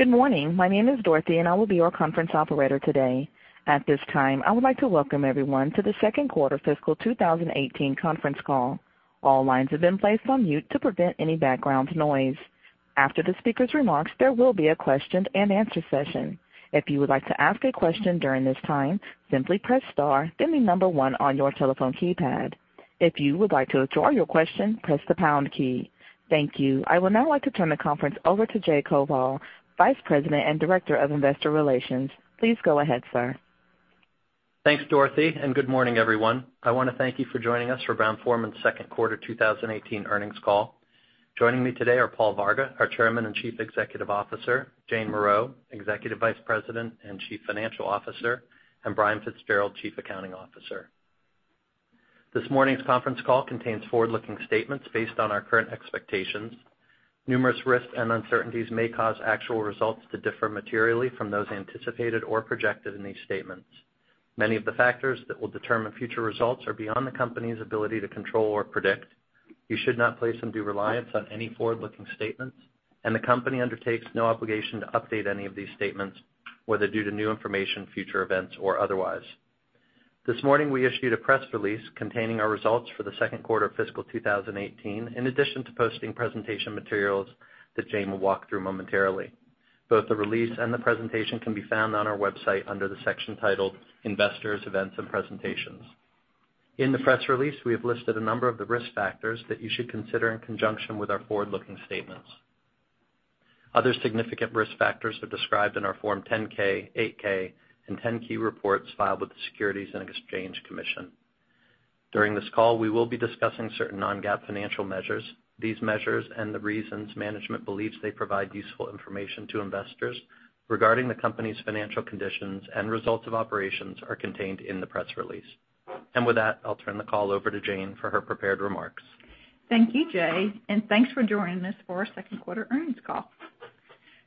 Good morning. My name is Dorothy, and I will be your conference operator today. At this time, I would like to welcome everyone to the second quarter fiscal 2018 conference call. All lines have been placed on mute to prevent any background noise. After the speaker's remarks, there will be a question and answer session. If you would like to ask a question during this time, simply press star, then the number one on your telephone keypad. If you would like to withdraw your question, press the pound key. Thank you. I would now like to turn the conference over to Jay Koval, Vice President and Director of Investor Relations. Please go ahead, sir. Thanks, Dorothy. Good morning, everyone. I want to thank you for joining us for Brown-Forman's second quarter 2018 earnings call. Joining me today are Paul Varga, our Chairman and Chief Executive Officer, Jane Morreau, Executive Vice President and Chief Financial Officer, and Brian Fitzgerald, Chief Accounting Officer. This morning's conference call contains forward-looking statements based on our current expectations. Numerous risks and uncertainties may cause actual results to differ materially from those anticipated or projected in these statements. Many of the factors that will determine future results are beyond the company's ability to control or predict. You should not place undue reliance on any forward-looking statements. The company undertakes no obligation to update any of these statements, whether due to new information, future events, or otherwise. This morning, we issued a press release containing our results for the second quarter of fiscal 2018, in addition to posting presentation materials that Jane will walk through momentarily. Both the release and the presentation can be found on our website under the section titled Investors Events and Presentations. In the press release, we have listed a number of the risk factors that you should consider in conjunction with our forward-looking statements. Other significant risk factors are described in our Form 10-K, 8-K, and 10-Q reports filed with the Securities and Exchange Commission. During this call, we will be discussing certain non-GAAP financial measures. These measures and the reasons management believes they provide useful information to investors regarding the company's financial conditions and results of operations are contained in the press release. With that, I'll turn the call over to Jane for her prepared remarks. Thank you, Jay. Thanks for joining us for our second quarter earnings call.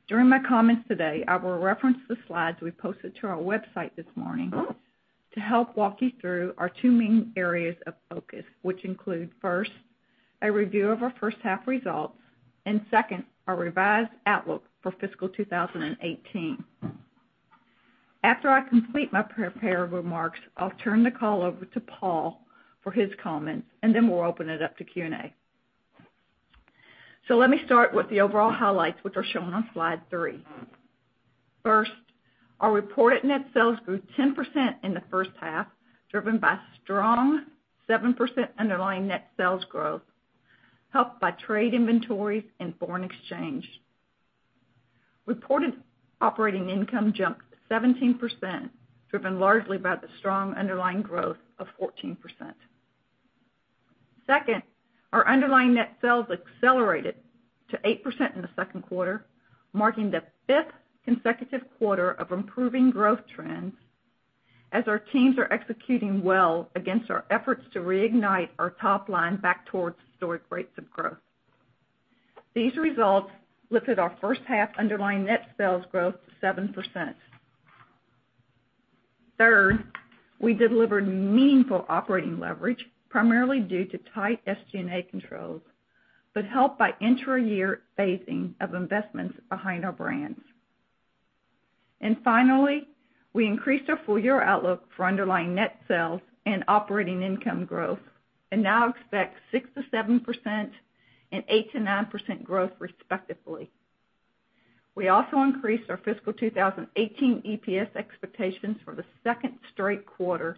During my comments today, I will reference the slides we posted to our website this morning to help walk you through our two main areas of focus, which include, first, a review of our first half results, and second, our revised outlook for fiscal 2018. After I complete my prepared remarks, I'll turn the call over to Paul for his comments. Then we'll open it up to Q&A. Let me start with the overall highlights, which are shown on slide three. First, our reported net sales grew 10% in the first half, driven by strong 7% underlying net sales growth, helped by trade inventories and foreign exchange. Reported operating income jumped 17%, driven largely by the strong underlying growth of 14%. Our underlying net sales accelerated to 8% in the second quarter, marking the fifth consecutive quarter of improving growth trends as our teams are executing well against our efforts to reignite our top line back towards historic rates of growth. These results lifted our first half underlying net sales growth 7%. We delivered meaningful operating leverage, primarily due to tight SG&A controls, but helped by intra-year phasing of investments behind our brands. Finally, we increased our full year outlook for underlying net sales and operating income growth and now expect 6%-7% and 8%-9% growth respectively. We also increased our fiscal 2018 EPS expectations for the second straight quarter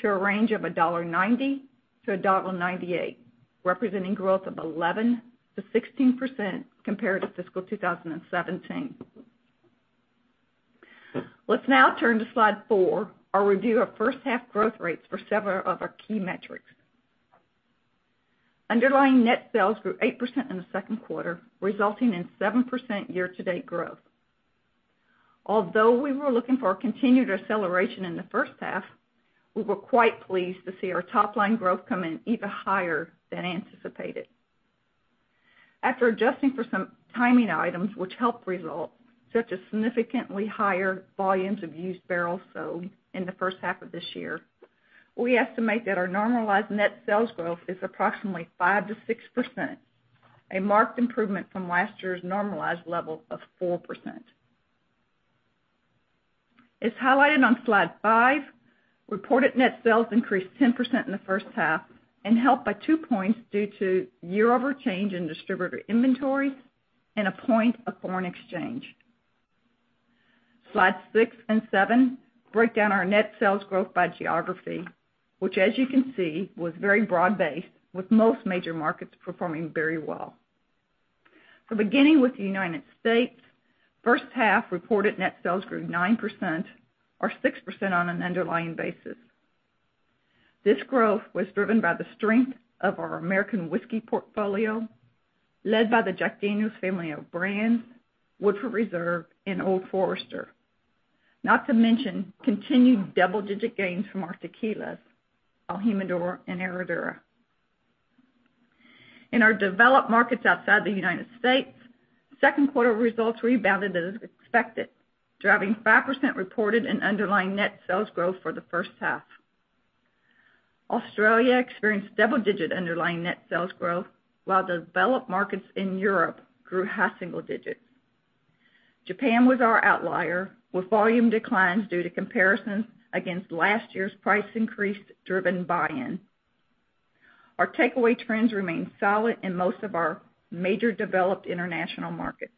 to a range of $1.90-$1.98, representing growth of 11%-16% compared to fiscal 2017. Let's now turn to slide four, our review of first half growth rates for several of our key metrics. Underlying net sales grew 8% in the second quarter, resulting in 7% year to date growth. Although we were looking for a continued acceleration in the first half, we were quite pleased to see our top-line growth come in even higher than anticipated. After adjusting for some timing items which helped results, such as significantly higher volumes of used barrels sold in the first half of this year, we estimate that our normalized net sales growth is approximately 5%-6%, a marked improvement from last year's normalized level of 4%. As highlighted on slide five, reported net sales increased 10% in the first half and helped by two points due to year-over-year change in distributor inventory and a point of foreign exchange. Slides six and seven break down our net sales growth by geography, which as you can see, was very broad based with most major markets performing very well. Beginning with the U.S., first half reported net sales grew 9% or 6% on an underlying basis. This growth was driven by the strength of our American whiskey portfolio led by the Jack Daniel's family of brands, Woodford Reserve, and Old Forester. Not to mention continued double-digit gains from our tequilas, el Jimador and Herradura. In our developed markets outside the U.S., second quarter results rebounded as expected, driving 5% reported and underlying net sales growth for the first half. Australia experienced double-digit underlying net sales growth, while developed markets in Europe grew high single digits. Japan was our outlier, with volume declines due to comparisons against last year's price increase-driven buy-in. Our takeaway trends remain solid in most of our major developed international markets.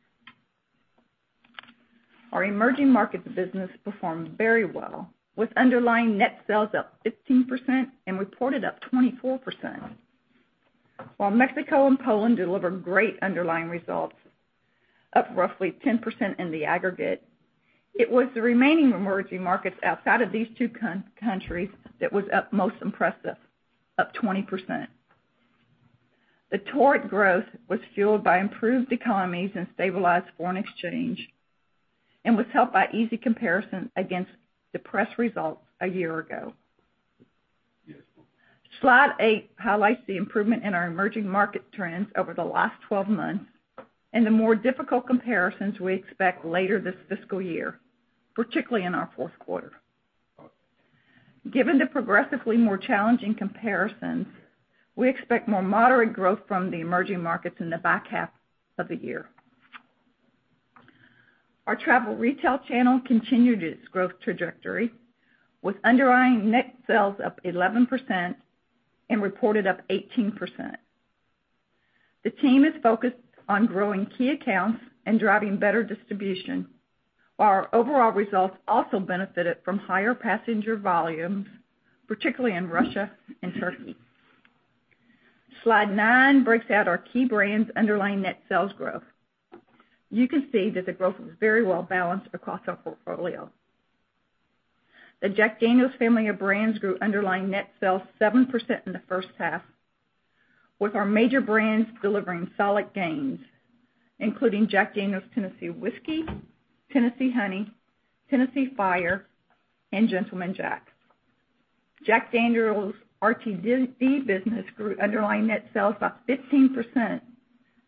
Our emerging markets business performed very well, with underlying net sales up 15% and reported up 24%. While Mexico and Poland delivered great underlying results, up roughly 10% in the aggregate, it was the remaining emerging markets outside of these two countries that was up most impressive, up 20%. The torrid growth was fueled by improved economies and stabilized foreign exchange, and was helped by easy comparison against depressed results a year ago. Slide eight highlights the improvement in our emerging market trends over the last 12 months and the more difficult comparisons we expect later this fiscal year, particularly in our fourth quarter. Given the progressively more challenging comparisons, we expect more moderate growth from the emerging markets in the back half of the year. Our travel retail channel continued its growth trajectory, with underlying net sales up 11% and reported up 18%. The team is focused on growing key accounts and driving better distribution, while our overall results also benefited from higher passenger volumes, particularly in Russia and Turkey. Slide nine breaks out our key brands' underlying net sales growth. You can see that the growth was very well balanced across our portfolio. The Jack Daniel's family of brands grew underlying net sales 7% in the first half, with our major brands delivering solid gains, including Jack Daniel's Tennessee Whiskey, Tennessee Honey, Tennessee Fire, and Gentleman Jack. Jack Daniel's RTD business grew underlying net sales by 15%,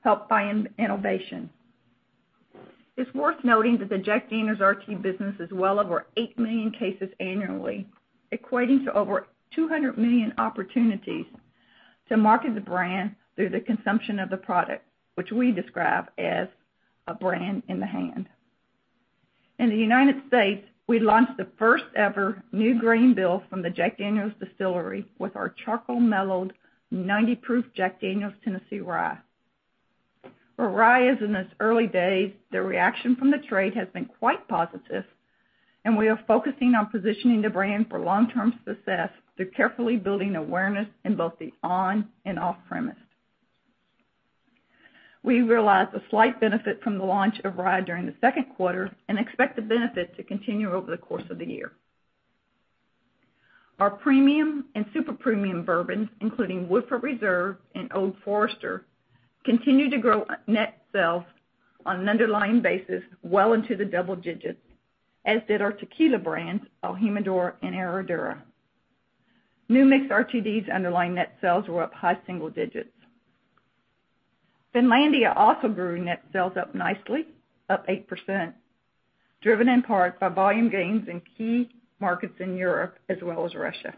helped by innovation. It's worth noting that the Jack Daniel's RTD business is well over 8 million cases annually, equating to over 200 million opportunities to market the brand through the consumption of the product, which we describe as a brand in the hand. In the U.S., we launched the first ever new grain bill from the Jack Daniel's distillery with our charcoal mellowed 90 proof Jack Daniel's Tennessee Rye. While Rye is in its early days, the reaction from the trade has been quite positive, and we are focusing on positioning the brand for long-term success through carefully building awareness in both the on and off premise. We realized a slight benefit from the launch of Rye during the second quarter and expect the benefit to continue over the course of the year. Our premium and super premium bourbons, including Woodford Reserve and Old Forester, continue to grow net sales on an underlying basis well into the double digits, as did our tequila brands, el Jimador and Herradura. New Mix RTDs underlying net sales were up high single digits. Finlandia also grew net sales up nicely, up 8%, driven in part by volume gains in key markets in Europe as well as Russia.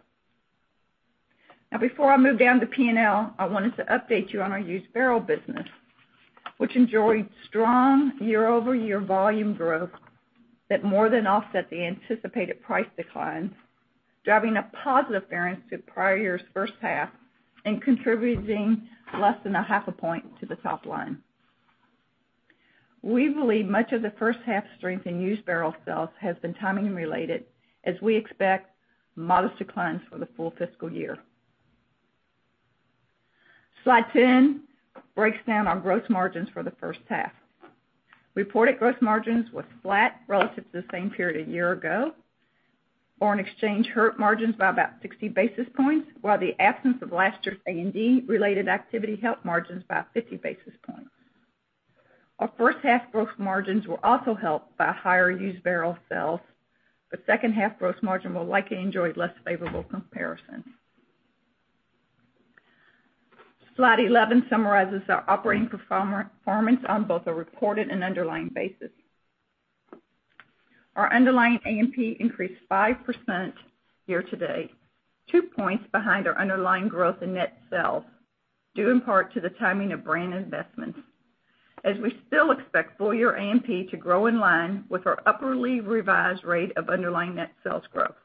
Before I move down to P&L, I wanted to update you on our used barrel business, which enjoyed strong year-over-year volume growth that more than offset the anticipated price declines, driving a positive variance to prior year's first half and contributing less than a half a point to the top line. We believe much of the first half strength in used barrel sales has been timing related, as we expect modest declines for the full fiscal year. Slide 10 breaks down our gross margins for the first half. Reported gross margins were flat relative to the same period a year ago. Foreign exchange hurt margins by about 60 basis points, while the absence of last year's A&D related activity helped margins by 50 basis points. Our first half gross margins were also helped by higher used barrel sales, but second half gross margin will likely enjoy less favorable comparisons. Slide 11 summarizes our operating performance on both a reported and underlying basis. Our underlying A&P increased 5% year to date, two points behind our underlying growth in net sales, due in part to the timing of brand investments, as we still expect full-year A&P to grow in line with our upwardly revised rate of underlying net sales growth.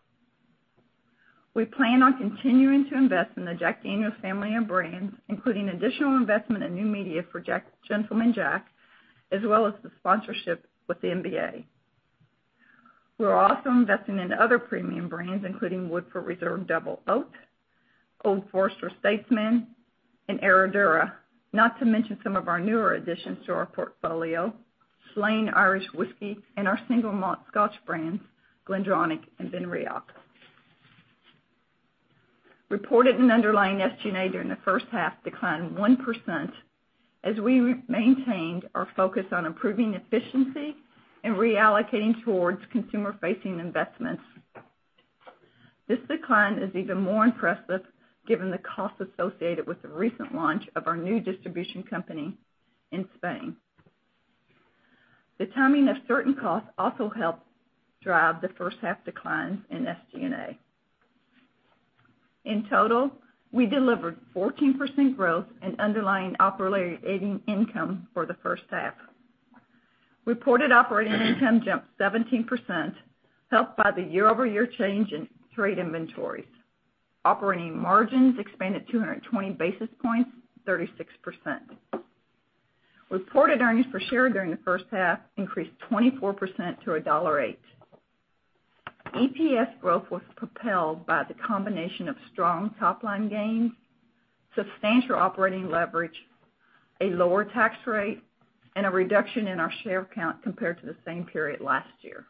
We plan on continuing to invest in the Jack Daniel's family of brands, including additional investment in new media for Gentleman Jack, as well as the sponsorship with the NBA. We are also investing in other premium brands, including Woodford Reserve Double Oaked, Old Forester Statesman, and Herradura. Not to mention some of our newer additions to our portfolio, Slane Irish Whiskey and our single malt Scotch brands, GlenDronach and BenRiach. Reported and underlying SG&A during the first half declined 1%, as we maintained our focus on improving efficiency and reallocating towards consumer-facing investments. This decline is even more impressive given the cost associated with the recent launch of our new distribution company in Spain. The timing of certain costs also helped drive the first half declines in SG&A. In total, we delivered 14% growth in underlying operating income for the first half. Reported operating income jumped 17%, helped by the year-over-year change in trade inventories. Operating margins expanded 220 basis points, 36%. Reported earnings per share during the first half increased 24% to $1.08. EPS growth was propelled by the combination of strong top-line gains, substantial operating leverage, a lower tax rate, and a reduction in our share count compared to the same period last year.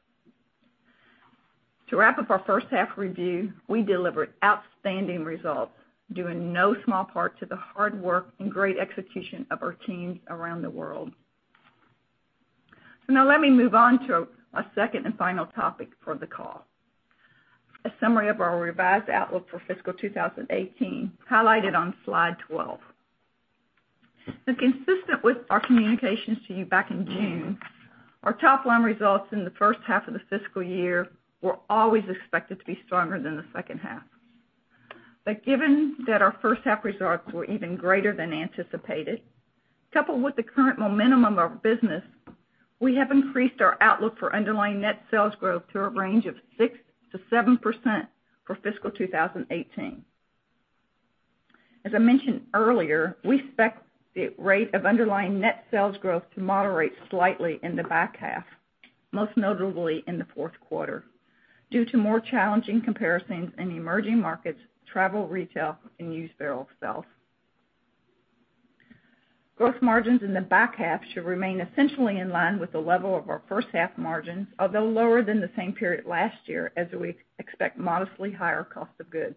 To wrap up our first half review, we delivered outstanding results, due in no small part to the hard work and great execution of our teams around the world. Now let me move on to our second and final topic for the call, a summary of our revised outlook for fiscal 2018, highlighted on slide 12. Consistent with our communications to you back in June, our top-line results in the first half of the fiscal year were always expected to be stronger than the second half. But given that our first half results were even greater than anticipated, coupled with the current momentum of business, we have increased our outlook for underlying net sales growth to a range of 6%-7% for fiscal 2018. As I mentioned earlier, we expect the rate of underlying net sales growth to moderate slightly in the back half, most notably in the fourth quarter, due to more challenging comparisons in emerging markets, travel retail, and used barrel sales. Gross margins in the back half should remain essentially in line with the level of our first half margins, although lower than the same period last year, as we expect modestly higher cost of goods.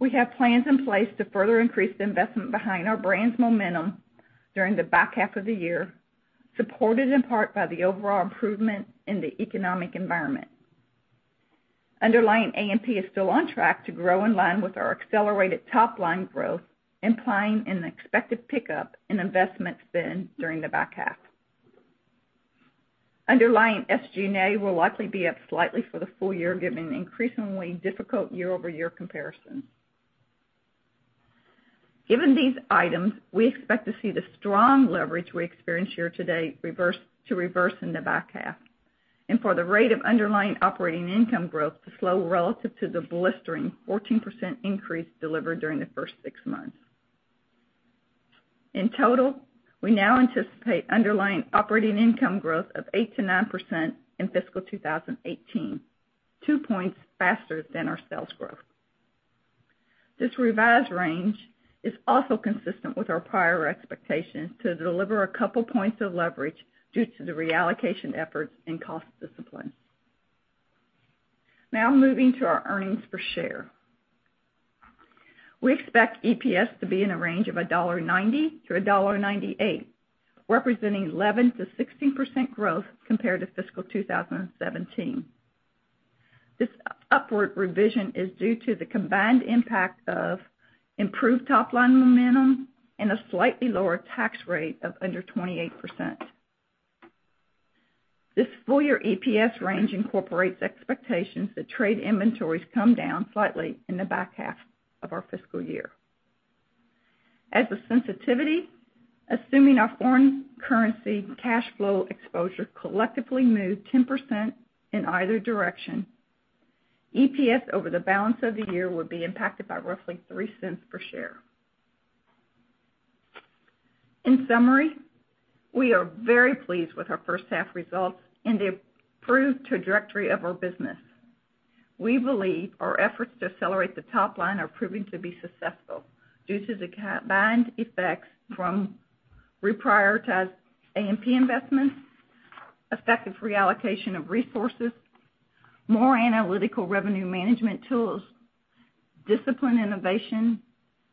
We have plans in place to further increase the investment behind our brand's momentum during the back half of the year, supported in part by the overall improvement in the economic environment. Underlying A&P is still on track to grow in line with our accelerated top-line growth, implying an expected pickup in investment spend during the back half. Underlying SG&A will likely be up slightly for the full year, given increasingly difficult year-over-year comparisons. Given these items, we expect to see the strong leverage we experience year-to-date to reverse in the back half, and for the rate of underlying operating income growth to slow relative to the blistering 14% increase delivered during the first six months. In total, we now anticipate underlying operating income growth of 8%-9% in fiscal 2018, two points faster than our sales growth. This revised range is also consistent with our prior expectations to deliver a couple points of leverage due to the reallocation efforts and cost discipline. Moving to our earnings per share. We expect EPS to be in a range of $1.90-$1.98, representing 11%-16% growth compared to fiscal 2017. This upward revision is due to the combined impact of improved top-line momentum and a slightly lower tax rate of under 28%. This full-year EPS range incorporates expectations that trade inventories come down slightly in the back half of our fiscal year. As a sensitivity, assuming our foreign currency cash flow exposure collectively moved 10% in either direction, EPS over the balance of the year would be impacted by roughly $0.03 per share. We are very pleased with our first half results and the improved trajectory of our business. We believe our efforts to accelerate the top line are proving to be successful due to the combined effects from reprioritized A&P investments, effective reallocation of resources, more analytical revenue management tools, disciplined innovation,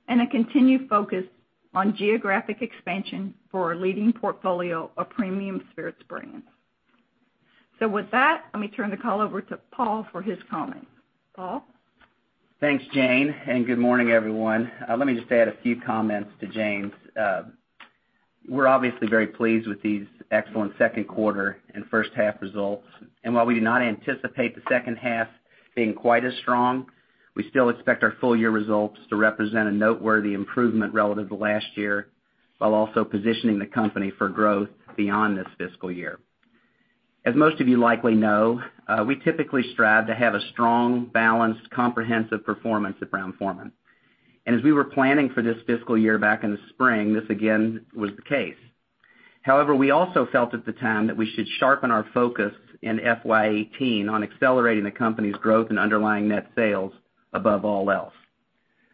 and a continued focus on geographic expansion for our leading portfolio of premium spirits brands. With that, let me turn the call over to Paul for his comments. Paul? Thanks, Jane, and good morning, everyone. Let me just add a few comments to Jane's. We're obviously very pleased with these excellent second quarter and first half results. While we do not anticipate the second half being quite as strong, we still expect our full year results to represent a noteworthy improvement relative to last year, while also positioning the company for growth beyond this fiscal year. As most of you likely know, we typically strive to have a strong, balanced, comprehensive performance at Brown-Forman. As we were planning for this fiscal year back in the spring, this again was the case. However, we also felt at the time that we should sharpen our focus in FY 2018 on accelerating the company's growth and underlying net sales above all else.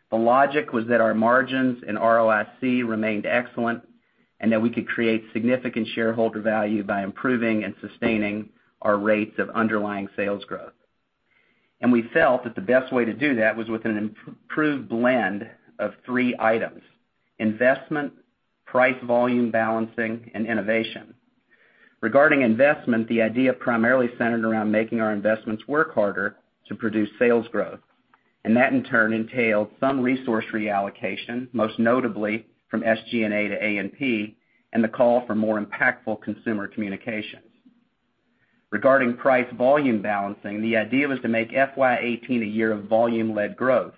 The logic was that our margins and ROSC remained excellent and that we could create significant shareholder value by improving and sustaining our rates of underlying sales growth. We felt that the best way to do that was with an improved blend of three items, investment, price-volume balancing, and innovation. Regarding investment, the idea primarily centered around making our investments work harder to produce sales growth. That, in turn, entailed some resource reallocation, most notably from SG&A to A&P, and the call for more impactful consumer communications. Regarding price-volume balancing, the idea was to make FY 2018 a year of volume-led growth.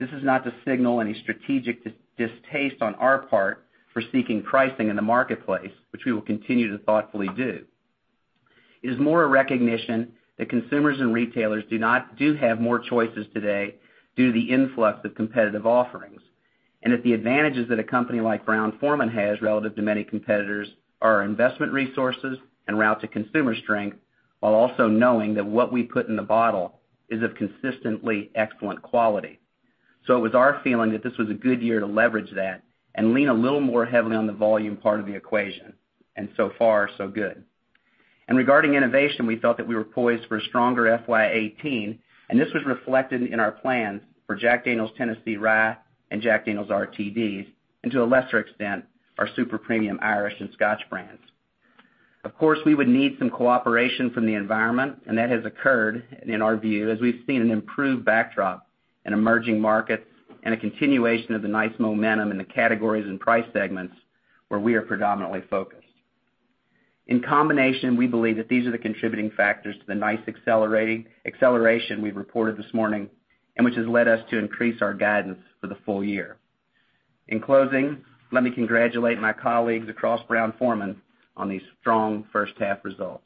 This is not to signal any strategic distaste on our part for seeking pricing in the marketplace, which we will continue to thoughtfully do. It is more a recognition that consumers and retailers do have more choices today due to the influx of competitive offerings, and that the advantages that a company like Brown-Forman has relative to many competitors are our investment resources and route to consumer strength, while also knowing that what we put in the bottle is of consistently excellent quality. It was our feeling that this was a good year to leverage that and lean a little more heavily on the volume part of the equation. So far, so good. Regarding innovation, we felt that we were poised for a stronger FY 2018, and this was reflected in our plans for Jack Daniel's Tennessee Rye and Jack Daniel's RTDs, and to a lesser extent, our super premium Irish and Scotch brands. Of course, we would need some cooperation from the environment, and that has occurred in our view, as we've seen an improved backdrop in emerging markets and a continuation of the nice momentum in the categories and price segments where we are predominantly focused. In combination, we believe that these are the contributing factors to the nice acceleration we've reported this morning, and which has led us to increase our guidance for the full year. In closing, let me congratulate my colleagues across Brown-Forman on these strong first half results.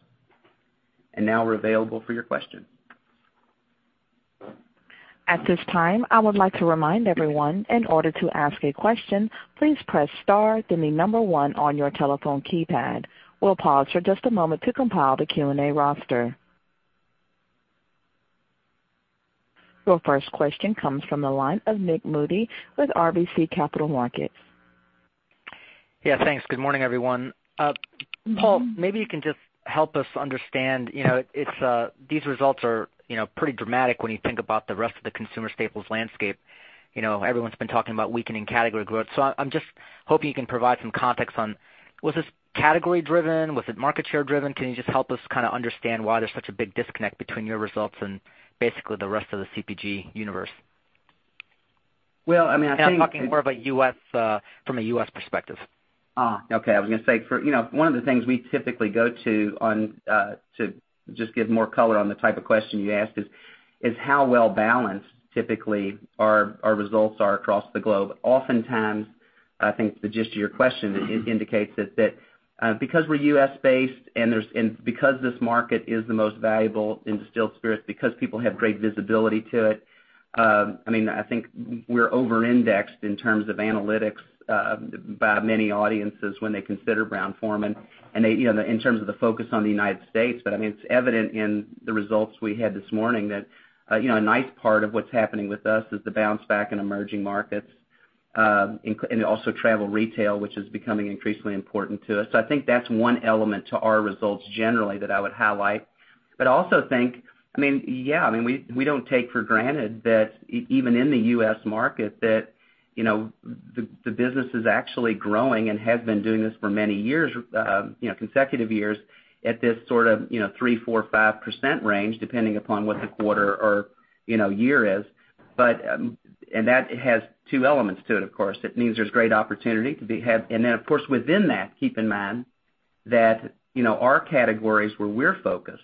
Now we're available for your questions. At this time, I would like to remind everyone, in order to ask a question, please press star, then the number 1 on your telephone keypad. We'll pause for just a moment to compile the Q&A roster. Your first question comes from the line of Nik Modi with RBC Capital Markets. Yeah, thanks. Good morning, everyone. Paul, maybe you can just help us understand. These results are pretty dramatic when you think about the rest of the consumer staples landscape. Everyone's been talking about weakening category growth. I'm just hoping you can provide some context on, was this category driven? Was it market share driven? Can you just help us understand why there's such a big disconnect between your results and basically the rest of the CPG universe? Well. I'm talking more from a U.S. perspective. Okay. I was going to say, one of the things we typically go to just give more color on the type of question you asked is, how well balanced typically are our results are across the globe. Oftentimes, I think the gist of your question indicates that because we're U.S.-based and because this market is the most valuable in distilled spirits because people have great visibility to it, I think we're over-indexed in terms of analytics by many audiences when they consider Brown-Forman and in terms of the focus on the United States. It's evident in the results we had this morning that a nice part of what's happening with us is the bounce back in emerging markets, and also travel retail, which is becoming increasingly important to us. I think that's one element to our results generally that I would highlight. Also think, we don't take for granted that even in the U.S. market, that the business is actually growing and has been doing this for many consecutive years at this sort of three, four, five% range, depending upon what the quarter or year is. That has two elements to it, of course. It means there's great opportunity to be had. Then, of course, within that, keep in mind that our categories where we're focused,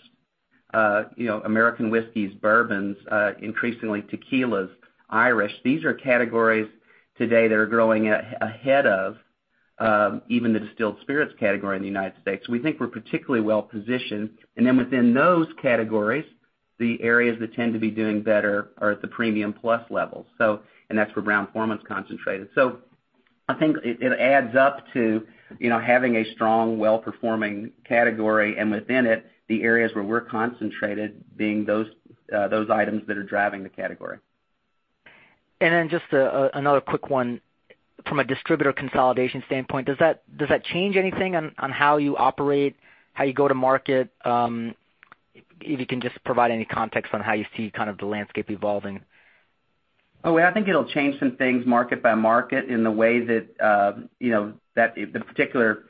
American whiskeys, bourbons, increasingly tequilas, Irish, these are categories today that are growing ahead of even the distilled spirits category in the United States. We think we're particularly well-positioned. Then within those categories, the areas that tend to be doing better are at the premium plus levels. That's where Brown-Forman's concentrated. I think it adds up to having a strong, well-performing category, and within it, the areas where we're concentrated being those items that are driving the category. Then just another quick one. From a distributor consolidation standpoint, does that change anything on how you operate, how you go to market? If you can just provide any context on how you see the landscape evolving. I think it'll change some things market by market in the way that the particular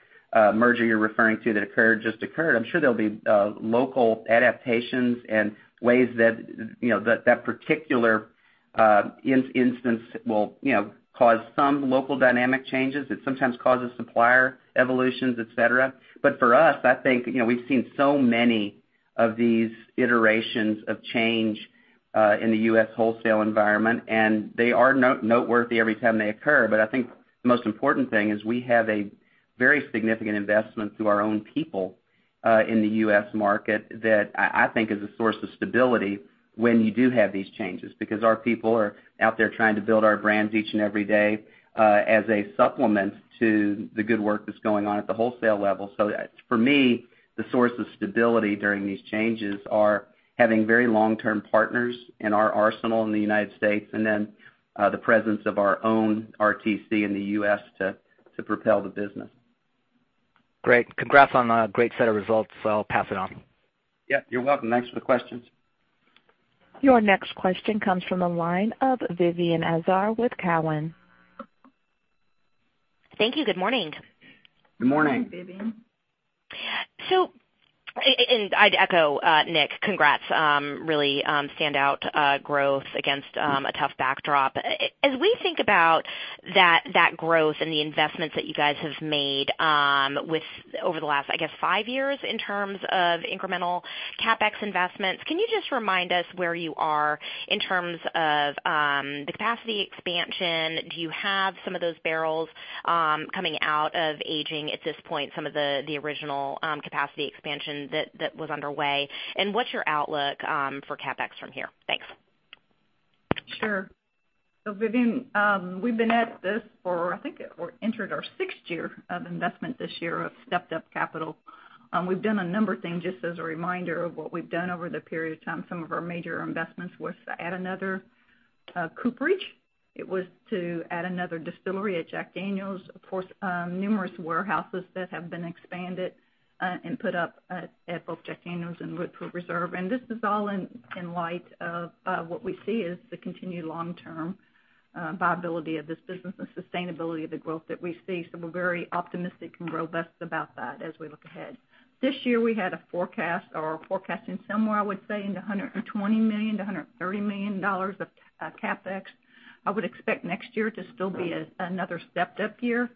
merger you're referring to that just occurred, I'm sure there'll be local adaptations and ways that that particular instance will cause some local dynamic changes. It sometimes causes supplier evolutions, et cetera. For us, I think we've seen so many of these iterations of change in the U.S. wholesale environment, and they are noteworthy every time they occur. I think the most important thing is we have a very significant investment through our own people, in the U.S. market that I think is a source of stability when you do have these changes, because our people are out there trying to build our brands each and every day, as a supplement to the good work that's going on at the wholesale level. For me, the source of stability during these changes are having very long-term partners in our arsenal in the United States, the presence of our own RTC in the U.S. to propel the business. Great. Congrats on a great set of results. I'll pass it on. Yeah, you're welcome. Thanks for the questions. Your next question comes from the line of Vivien Azer with Cowen. Thank you. Good morning. Good morning. Good morning, Vivien. I'd echo Nik, congrats. Really stand out growth against a tough backdrop. As we think about that growth and the investments that you guys have made over the last, I guess, five years in terms of incremental CapEx investments, can you just remind us where you are in terms of the capacity expansion? Do you have some of those barrels coming out of aging at this point, some of the original capacity expansion that was underway? What's your outlook for CapEx from here? Thanks. Sure. Vivien, we've been at this for, I think we entered our sixth year of investment this year of stepped up capital. We've done a number of things, just as a reminder of what we've done over the period of time. Some of our major investments was to add another cooperage. It was to add another distillery at Jack Daniel's. Of course, numerous warehouses that have been expanded, and put up at both Jack Daniel's and Woodford Reserve. This is all in light of what we see as the continued long-term viability of this business and sustainability of the growth that we see. We're very optimistic and robust about that as we look ahead. This year, we had a forecast or are forecasting somewhere, I would say, in the $120 million-$130 million of CapEx. I would expect next year to still be another stepped-up year.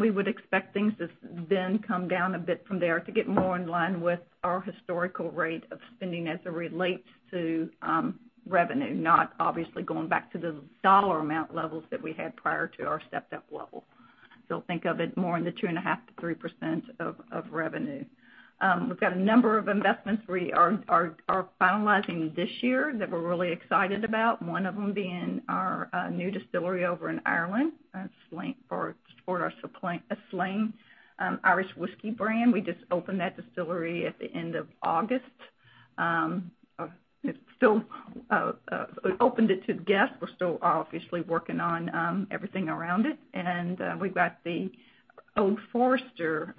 We would expect things to then come down a bit from there to get more in line with our historical rate of spending as it relates to revenue, not obviously going back to the dollar amount levels that we had prior to our stepped-up level. Think of it more in the 2.5%-3% of revenue. We've got a number of investments we are finalizing this year that we're really excited about. One of them being our new distillery over in Ireland for our Slane Irish Whiskey brand. We just opened that distillery at the end of August. We opened it to guests. We're still obviously working on everything around it. We've got the Old Forester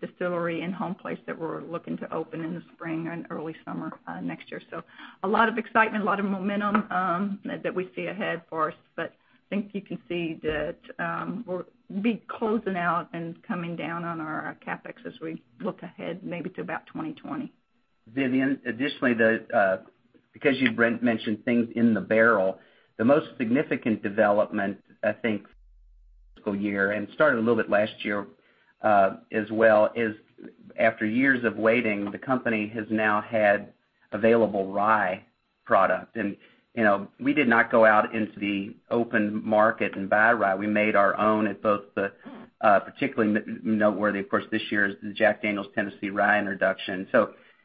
distillery and home place that we're looking to open in the spring and early summer next year. A lot of excitement, a lot of momentum that we see ahead for us. I think you can see that we'll be closing out and coming down on our CapEx as we look ahead maybe to about 2020. Vivien, additionally, because you mentioned things in the barrel, the most significant development, I think, fiscal year, and it started a little bit last year as well, is after years of waiting, the company has now had available rye product. We did not go out into the open market and buy rye. We made our own at both the Particularly noteworthy, of course, this year is the Jack Daniel's Tennessee Rye introduction.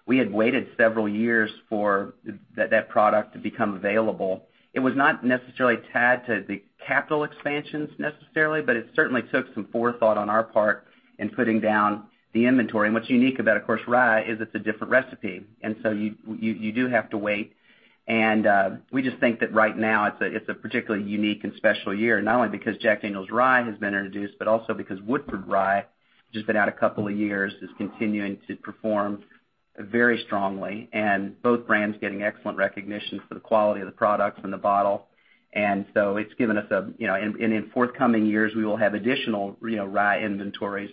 We had waited several years for that product to become available. It was not necessarily tied to the capital expansions necessarily, but it certainly took some forethought on our part in putting down the inventory. What's unique about, of course, rye is it's a different recipe, and so you do have to wait. We just think that right now it's a particularly unique and special year, not only because Jack Daniel's Rye has been introduced, but also because Woodford Rye, which has been out a couple of years, is continuing to perform very strongly. Both brands getting excellent recognition for the quality of the product and the bottle. In forthcoming years, we will have additional rye inventories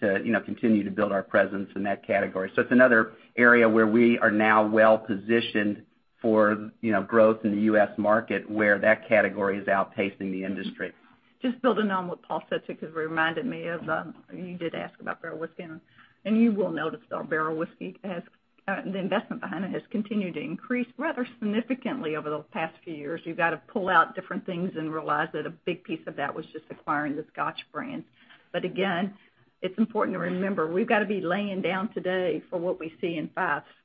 to continue to build our presence in that category. It's another area where we are now well-positioned for growth in the U.S. market, where that category is outpacing the industry. Just building on what Paul said, too, because it reminded me of, you did ask about barrel whiskey, and you will notice our barrel whiskey, the investment behind it has continued to increase rather significantly over the past few years. You've got to pull out different things and realize that a big piece of that was just acquiring the Scotch brand. Again, it's important to remember, we've got to be laying down today for what we see in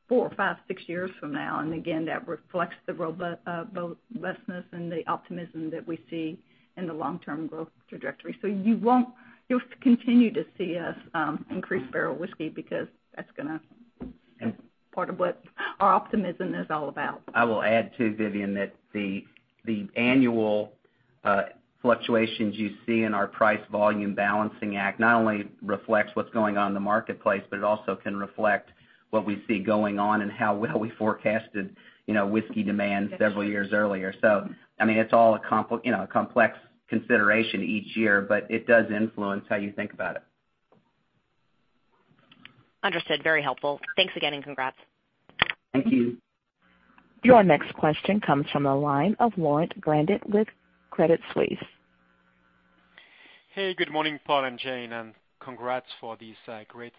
four, five, six years from now. Again, that reflects the robustness and the optimism that we see in the long-term growth trajectory. You'll continue to see us increase barrel whiskey because that's part of what our optimism is all about. I will add, too, Vivien, that the annual fluctuations you see in our price-volume balancing act not only reflects what's going on in the marketplace, but it also can reflect what we see going on and how well we forecasted whiskey demand several years earlier. It's all a complex consideration each year, but it does influence how you think about it. Understood. Very helpful. Thanks again, and congrats. Thank you. Your next question comes from the line of Laurent Grandet with Credit Suisse. Hey, good morning, Paul and Jane, and congrats for this great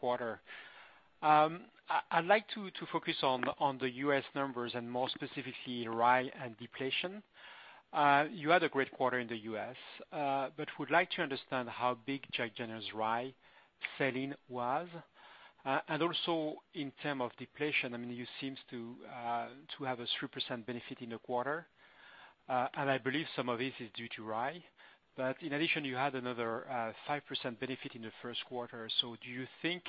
quarter. I'd like to focus on the U.S. numbers and more specifically rye and depletion. You had a great quarter in the U.S. Would like to understand how big Jack Daniel's Rye selling was. Also in term of depletion, you seems to have a 3% benefit in the quarter. I believe some of this is due to rye. In addition, you had another 5% benefit in the first quarter. Do you think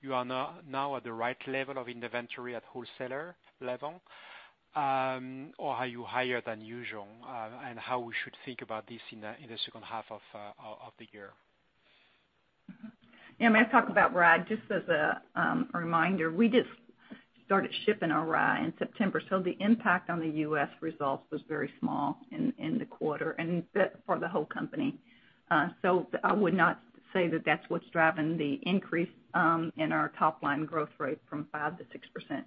you are now at the right level of inventory at wholesaler level? Are you higher than usual? How we should think about this in the second half of the year? Yeah, may I talk about rye? Just as a reminder, we just started shipping our rye in September, the impact on the U.S. results was very small in the quarter and for the whole company. I would not say that that's what's driving the increase in our top-line growth rate from 5% to 6%.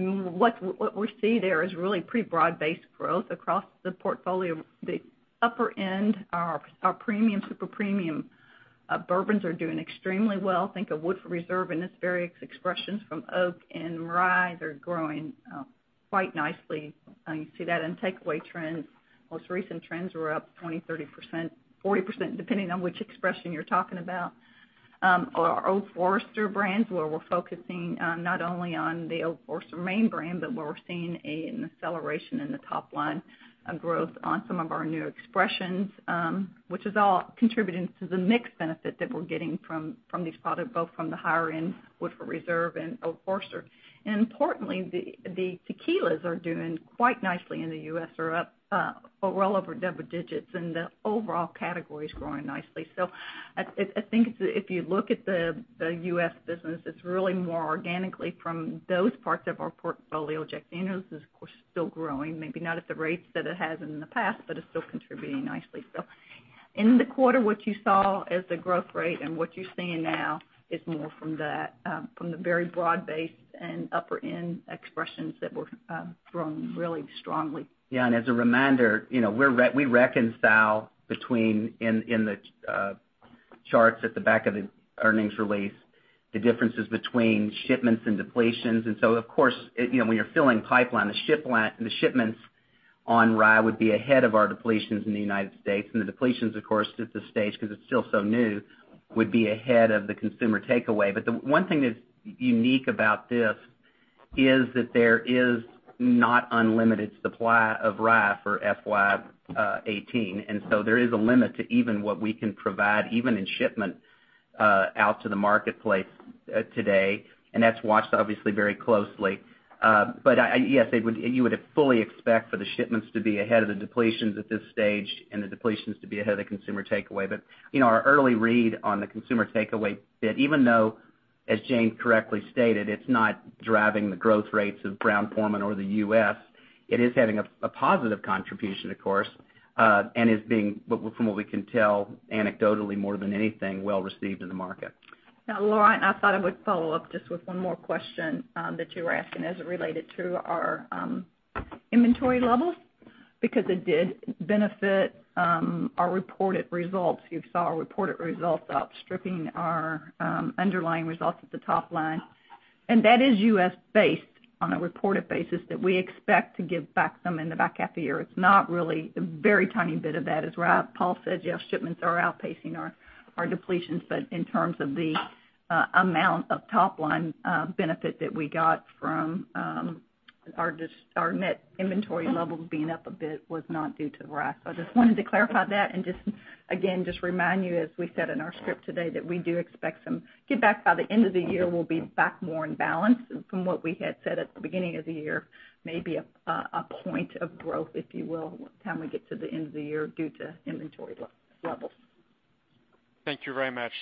What we see there is really pretty broad-based growth across the portfolio. The upper end, our premium, super premium bourbons are doing extremely well. Think of Woodford Reserve and its various expressions from Double Oaked and Rye. They're growing quite nicely. You see that in takeaway trends. Most recent trends were up 20%, 30%, 40%, depending on which expression you're talking about. Our Old Forester brands, where we're focusing not only on the Old Forester main brand, but where we're seeing an acceleration in the top-line growth on some of our new expressions, which is all contributing to the mix benefit that we're getting from these products, both from the higher-end Woodford Reserve and Old Forester. Importantly, the tequilas are doing quite nicely in the U.S., are up well over double digits, the overall category is growing nicely. I think if you look at the U.S. business, it's really more organically from those parts of our portfolio. Jack Daniel's is, of course, still growing, maybe not at the rates that it has in the past, it's still contributing nicely. In the quarter, what you saw as the growth rate and what you are seeing now is more from the very broad-base and upper-end expressions that were growing really strongly. Yeah, as a reminder, we reconcile between, in the charts at the back of the earnings release, the differences between shipments and depletions. Of course, when you are filling pipeline, the shipments on rye would be ahead of our depletions in the United States. The depletions, of course, at this stage, because it is still so new, would be ahead of the consumer takeaway. The one thing that is unique about this is that there is not unlimited supply of rye for FY 2018, there is a limit to even what we can provide, even in shipment, out to the marketplace today. That is watched obviously very closely. Yes, you would fully expect for the shipments to be ahead of the depletions at this stage and the depletions to be ahead of the consumer takeaway. Our early read on the consumer takeaway bit, even though, as Jane correctly stated, it is not driving the growth rates of Brown-Forman or the U.S., it is having a positive contribution, of course, and is being, from what we can tell anecdotally more than anything, well received in the market. Now, Laurent, I thought I would follow up just with one more question that you were asking as it related to our inventory levels, because it did benefit our reported results. You saw our reported results outstripping our underlying results at the top line. That is U.S.-based on a reported basis that we expect to give back some in the back half of the year. It is not really, a very tiny bit of that is rye. Paul said, yes, shipments are outpacing our depletions, in terms of the amount of top-line benefit that we got from our net inventory levels being up a bit was not due to rye. I just wanted to clarify that and just, again, just remind you, as we said in our script today, that we do expect some give back by the end of the year. We'll be back more in balance from what we had said at the beginning of the year, maybe a point of growth, if you will, by the time we get to the end of the year due to inventory levels. Thank you very much,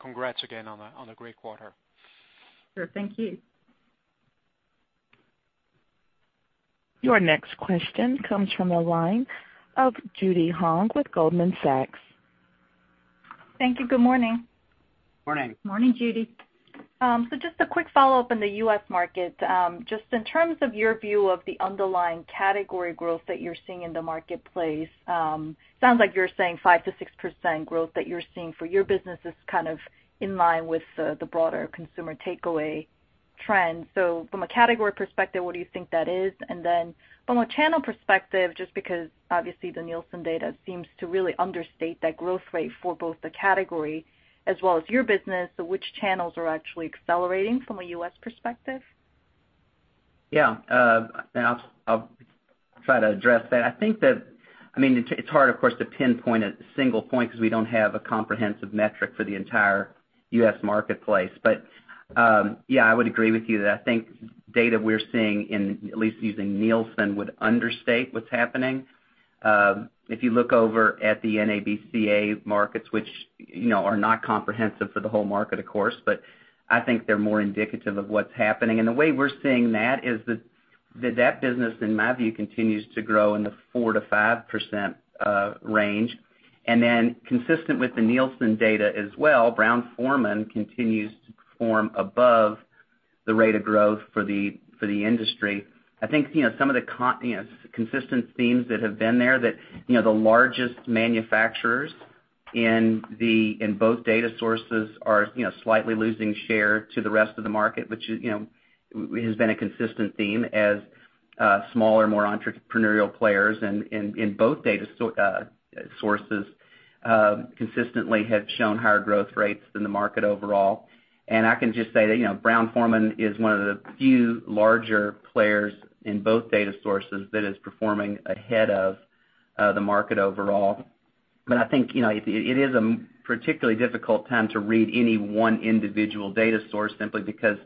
congrats again on a great quarter. Sure. Thank you. Your next question comes from the line of Judy Hong with Goldman Sachs. Thank you. Good morning. Morning. Morning, Judy. Just a quick follow-up on the U.S. market. Just in terms of your view of the underlying category growth that you're seeing in the marketplace, sounds like you're saying 5%-6% growth that you're seeing for your business is kind of in line with the broader consumer takeaway trend. From a category perspective, what do you think that is? Then from a channel perspective, just because obviously the Nielsen data seems to really understate that growth rate for both the category as well as your business, which channels are actually accelerating from a U.S. perspective? Yeah. I'll try to address that. I think that, it's hard, of course, to pinpoint a single point because we don't have a comprehensive metric for the entire U.S. marketplace. Yeah, I would agree with you that I think data we're seeing in, at least using Nielsen, would understate what's happening. If you look over at the NABCA markets, which are not comprehensive for the whole market, of course, but I think they're more indicative of what's happening. The way we're seeing that is that that business, in my view, continues to grow in the 4%-5% range. Then consistent with the Nielsen data as well, Brown-Forman continues to perform above the rate of growth for the industry. I think some of the consistent themes that have been there, that the largest manufacturers in both data sources are slightly losing share to the rest of the market, which has been a consistent theme as smaller, more entrepreneurial players in both data sources consistently have shown higher growth rates than the market overall. I can just say that Brown-Forman is one of the few larger players in both data sources that is performing ahead of the market overall. I think it is a particularly difficult time to read any one individual data source simply because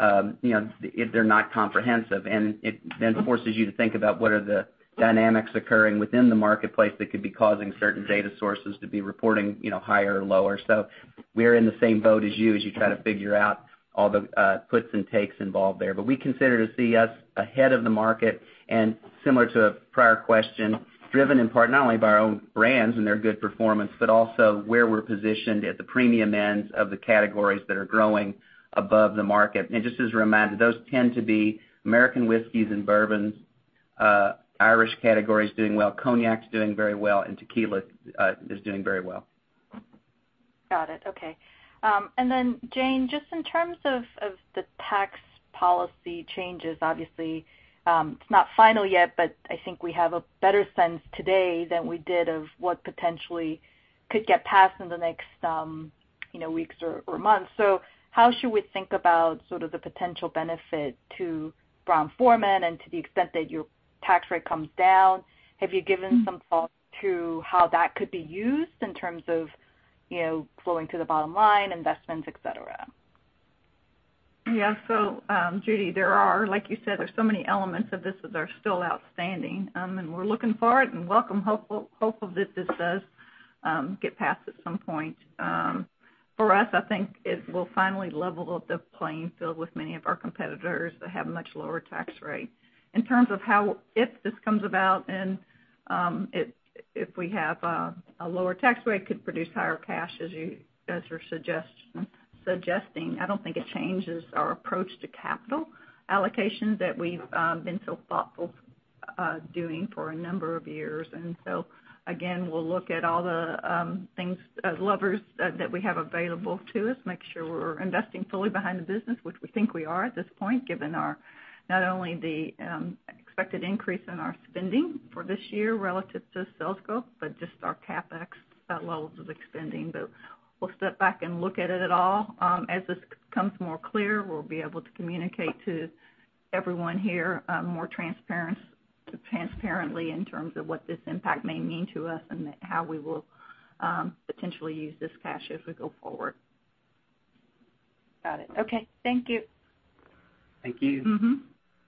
if they're not comprehensive, it then forces you to think about what are the dynamics occurring within the marketplace that could be causing certain data sources to be reporting higher or lower. We're in the same boat as you as you try to figure out all the puts and takes involved there. We consider to see us ahead of the market, and similar to a prior question, driven in part not only by our own brands and their good performance, but also where we're positioned at the premium ends of the categories that are growing above the market. Just as a reminder, those tend to be American whiskeys and bourbons. Irish category's doing well. Cognac's doing very well, and tequila is doing very well. Got it. Okay. Then Jane, just in terms of the tax policy changes, obviously, it's not final yet, but I think we have a better sense today than we did of what potentially could get passed in the next weeks or months. How should we think about the potential benefit to Brown-Forman and to the extent that your tax rate comes down? Have you given some thought to how that could be used in terms of flowing to the bottom line, investments, et cetera? Yeah. Judy, there are, like you said, there's so many elements of this that are still outstanding, we're looking for it and welcome, hopeful that this does get passed at some point. For us, I think it will finally level the playing field with many of our competitors that have much lower tax rate. In terms of how, if this comes about and if we have a lower tax rate, could produce higher cash as you're suggesting. I don't think it changes our approach to capital allocation that we've been so thoughtful doing for a number of years. Again, we'll look at all the levers that we have available to us, make sure we're investing fully behind the business, which we think we are at this point, given not only the expected increase in our spending for this year relative to sales growth, but just our CapEx levels is expanding. We'll step back and look at it at all. As this comes more clear, we'll be able to communicate to everyone here more transparently in terms of what this impact may mean to us and how we will potentially use this cash as we go forward. Got it. Okay. Thank you. Thank you.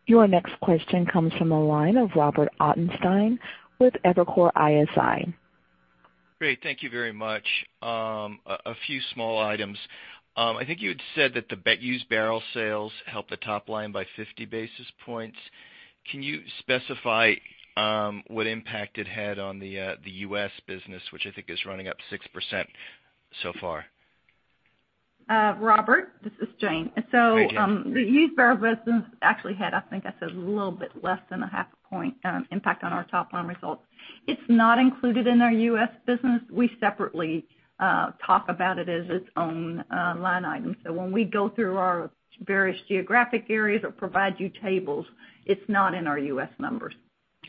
Your next question comes from the line of Robert Ottenstein with Evercore ISI. Great. Thank you very much. A few small items. I think you had said that the used barrel sales helped the top line by 50 basis points. Can you specify what impact it had on the U.S. business, which I think is running up 6% so far? Robert, this is Jane. Hi, Jane. The used barrel business actually had, I think I said a little bit less than a half a point impact on our top-line results. It's not included in our U.S. business. We separately talk about it as its own line item. When we go through our various geographic areas or provide you tables, it's not in our U.S. numbers.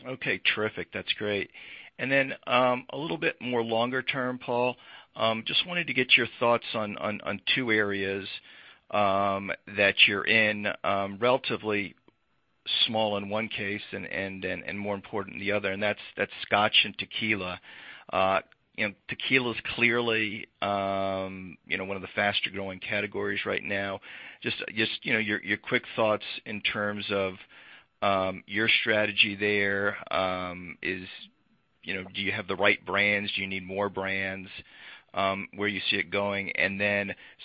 Okay. Terrific. That's great. A little bit more longer term, Paul, just wanted to get your thoughts on two areas that you're in, relatively small in one case and more important in the other, and that's Scotch and tequila. Tequila's clearly one of the faster-growing categories right now. Just your quick thoughts in terms of your strategy there. Do you have the right brands? Do you need more brands? Where you see it going?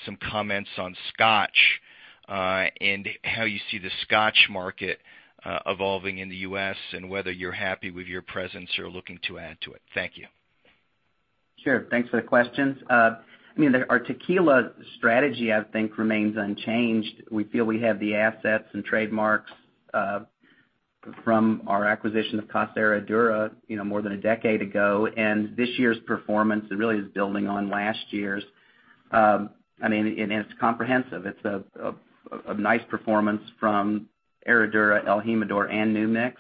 Some comments on Scotch and how you see the Scotch market evolving in the U.S., and whether you're happy with your presence or looking to add to it. Thank you. Sure. Thanks for the questions. Our tequila strategy, I think, remains unchanged. We feel we have the assets and trademarks from our acquisition of Casa Herradura more than a decade ago. This year's performance really is building on last year's. It's comprehensive. It's a nice performance from Herradura, el Jimador, and New Mix,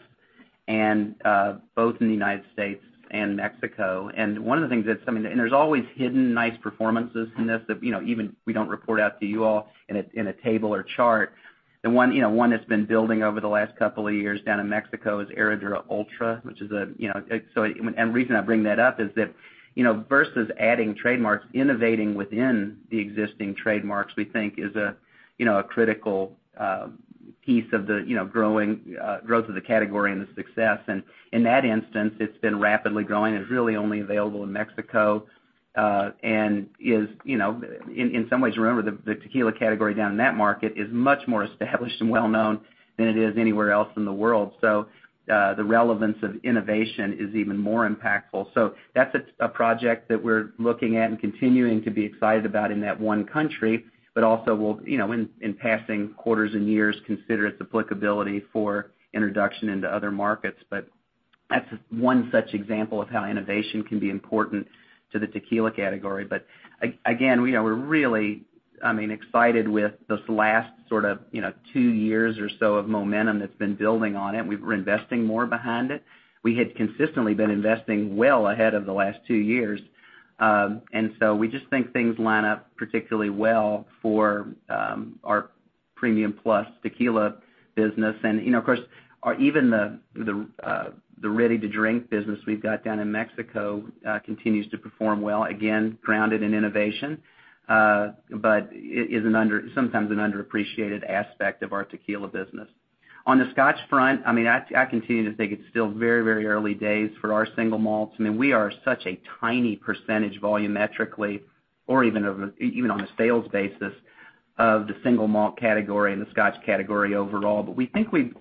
both in the U.S. and Mexico. There's always hidden nice performances in this that even we don't report out to you all in a table or chart. One that's been building over the last couple of years down in Mexico is Herradura Ultra. The reason I bring that up is that versus adding trademarks, innovating within the existing trademarks, we think is a critical piece of the growth of the category and the success. In that instance, it's been rapidly growing. It's really only available in Mexico, and in some ways, remember, the tequila category down in that market is much more established and well-known than it is anywhere else in the world. The relevance of innovation is even more impactful. That's a project that we're looking at and continuing to be excited about in that one country, but also we'll, in passing quarters and years, consider its applicability for introduction into other markets. That's one such example of how innovation can be important to the tequila category. Again, we're really excited with this last two years or so of momentum that's been building on it. We're investing more behind it. We had consistently been investing well ahead of the last two years. We just think things line up particularly well for our premium plus tequila business. Even the ready-to-drink business we've got down in Mexico continues to perform well, again, grounded in innovation, but is sometimes an underappreciated aspect of our tequila business. On the Scotch front, I continue to think it's still very early days for our single malts. We are such a tiny percentage volumetrically, or even on a sales basis, of the single malt category and the Scotch category overall. We think we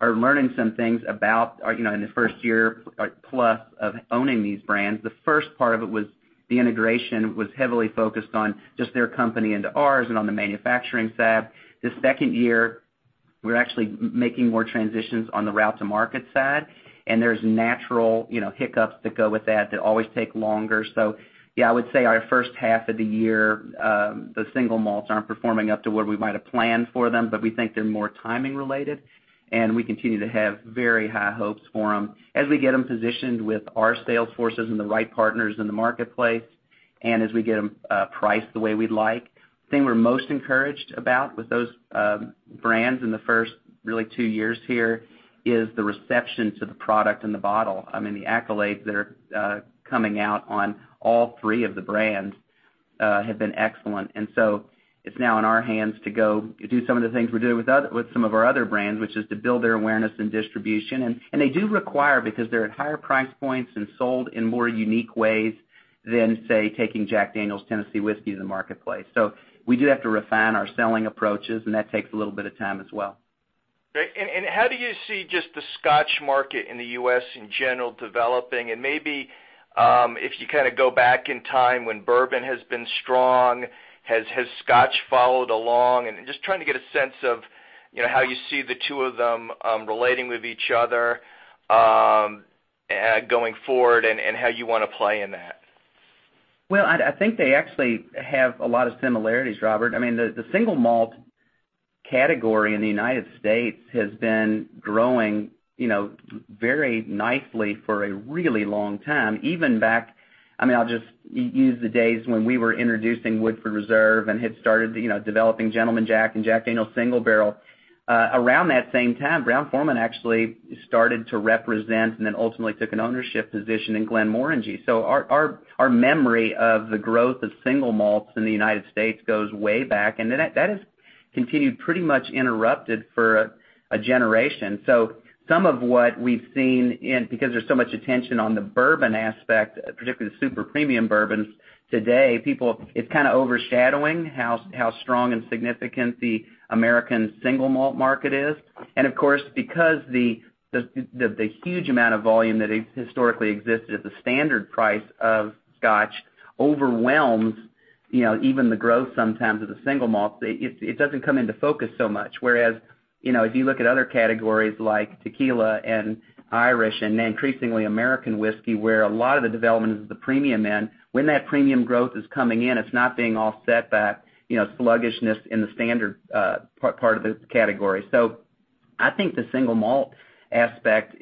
are learning some things about in the first year plus of owning these brands. The first part of it was the integration was heavily focused on just their company into ours and on the manufacturing side. The second year, we're actually making more transitions on the route to market side, and there's natural hiccups that go with that always take longer. I would say our first half of the year, the single malts aren't performing up to where we might have planned for them, but we think they're more timing related, and we continue to have very high hopes for them as we get them positioned with our sales forces and the right partners in the marketplace, and as we get them priced the way we'd like. The thing we're most encouraged about with those brands in the first, really two years here, is the reception to the product and the bottle. The accolades that are coming out on all three of the brands have been excellent. It's now in our hands to go do some of the things we're doing with some of our other brands, which is to build their awareness and distribution. They do require, because they're at higher price points and sold in more unique ways than, say, taking Jack Daniel's Tennessee Whiskey to the marketplace. We do have to refine our selling approaches, and that takes a little bit of time as well. Great. How do you see just the Scotch market in the U.S. in general developing? Maybe, if you go back in time when bourbon has been strong, has Scotch followed along? Just trying to get a sense of how you see the two of them relating with each other going forward and how you want to play in that. Well, I think they actually have a lot of similarities, Robert. The single malt category in the United States has been growing very nicely for a really long time. Even back, I'll just use the days when we were introducing Woodford Reserve and had started developing Gentleman Jack and Jack Daniel's Single Barrel. Around that same time, Brown-Forman actually started to represent and then ultimately took an ownership position in Glenmorangie. Our memory of the growth of single malts in the United States goes way back, and that has continued pretty much uninterrupted for a generation. Some of what we've seen in, because there's so much attention on the bourbon aspect, particularly the super premium bourbons today, it's overshadowing how strong and significant the American single malt market is. Of course, because the huge amount of volume that historically existed at the standard price of Scotch overwhelms even the growth sometimes of the single malt, it doesn't come into focus so much. Whereas, if you look at other categories like tequila and Irish and increasingly American whiskey, where a lot of the development is at the premium end, when that premium growth is coming in, it's not being offset by sluggishness in the standard part of the category. I think the single malt category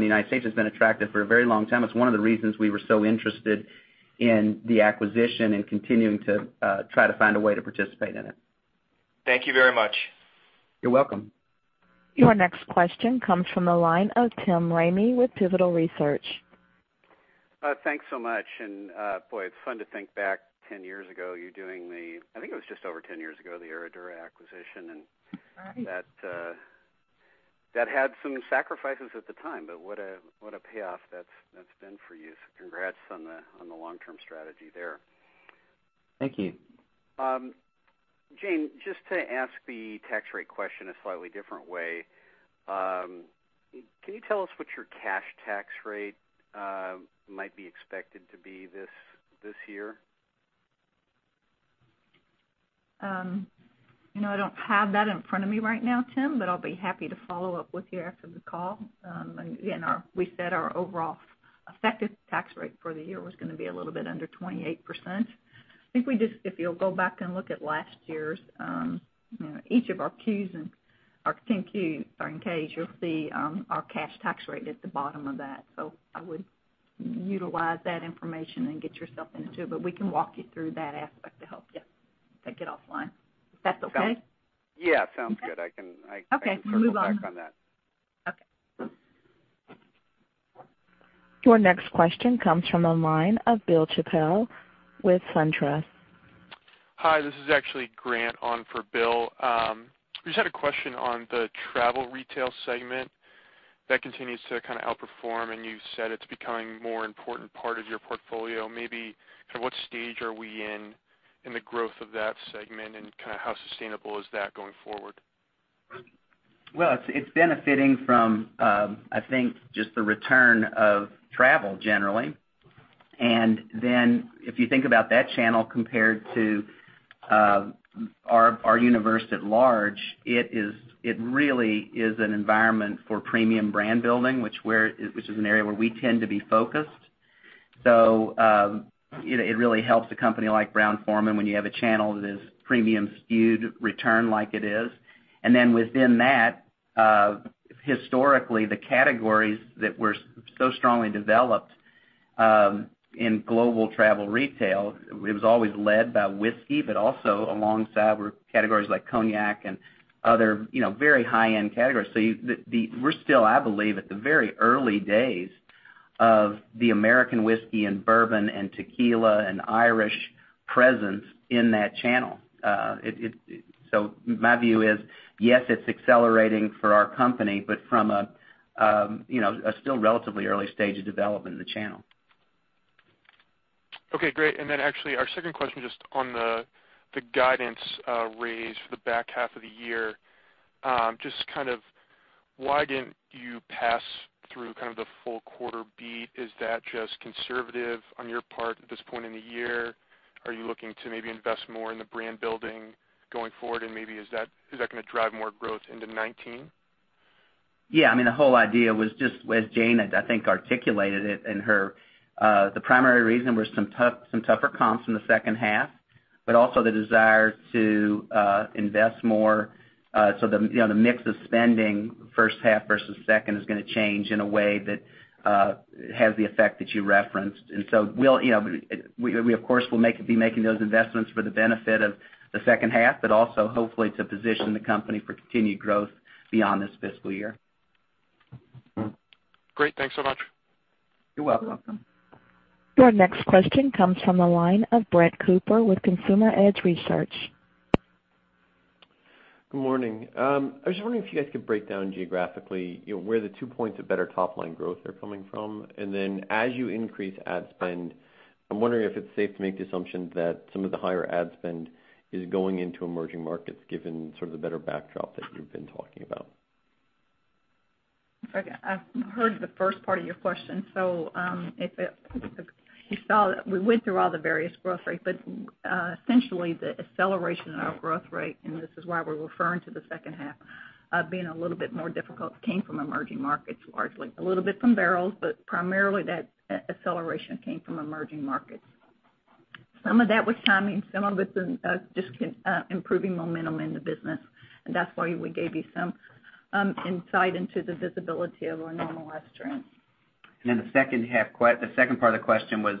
in the U.S. has been attractive for a very long time. It's one of the reasons we were so interested in the acquisition and continuing to try to find a way to participate in it. Thank you very much. You're welcome. Your next question comes from the line of Tim Ramey with Pivotal Research. Thanks so much. Boy, it's fun to think back 10 years ago, you doing the, I think it was just over 10 years ago, the Herradura acquisition and that had some sacrifices at the time, what a payoff that's been for you. Congrats on the long-term strategy there. Thank you. Jane, just to ask the tax rate question a slightly different way, can you tell us what your cash tax rate might be expected to be this year? I don't have that in front of me right now, Tim, I'll be happy to follow up with you after the call. Again, we said our overall effective tax rate for the year was going to be a little bit under 28%. I think if you'll go back and look at last year's, each of our Qs and our 10-Qs or 10-Ks, you'll see our cash tax rate at the bottom of that. I would utilize that information and get yourself into it, we can walk you through that aspect to help you take it offline. If that's okay? Yeah, sounds good. Okay, move on circle back on that. Okay. Your next question comes from the line of Bill Chappell with SunTrust. Hi, this is actually Grant on for Bill. Just had a question on the travel retail segment that continues to outperform. You said it's becoming a more important part of your portfolio. Maybe at what stage are we in the growth of that segment and how sustainable is that going forward? Well, it's benefiting from, I think, just the return of travel generally. If you think about that channel compared to our universe at large, it really is an environment for premium brand building, which is an area where we tend to be focused. It really helps a company like Brown-Forman when you have a channel that is premium skewed return like it is. Within that, historically, the categories that were so strongly developed, in global travel retail, it was always led by whiskey, but also alongside were categories like cognac and other very high-end categories. We're still, I believe, at the very early days of the American whiskey and bourbon and tequila and Irish presence in that channel. My view is, yes, it's accelerating for our company, but from a still relatively early stage of development in the channel. Okay, great. Actually our second question, just on the guidance raise for the back half of the year. Just why didn't you pass through the full quarter beat? Is that just conservative on your part at this point in the year? Are you looking to maybe invest more in the brand-building going forward, and maybe is that going to drive more growth into 2019? Yeah, the whole idea was just as Jane, I think, articulated it in her, the primary reason were some tougher comps in the second half, but also the desire to invest more. The mix of spending first half versus second is going to change in a way that has the effect that you referenced. We, of course, will be making those investments for the benefit of the second half, but also hopefully to position the company for continued growth beyond this fiscal year. Great. Thanks so much. You're welcome. You're welcome. Our next question comes from the line of Brett Cooper with Consumer Edge Research. Good morning. I was just wondering if you guys could break down geographically, where the 2 points of better top-line growth are coming from. As you increase ad spend, I'm wondering if it's safe to make the assumption that some of the higher ad spend is going into emerging markets, given sort of the better backdrop that you've been talking about. Okay. I've heard the first part of your question. We went through all the various growth rates, essentially the acceleration in our growth rate, and this is why we're referring to the second half, being a little bit more difficult, came from emerging markets, largely. A little bit from barrels, primarily that acceleration came from emerging markets. Some of that was timing, some of it was just improving momentum in the business. That's why we gave you some insight into the visibility of our normalized trends. The second part of the question was,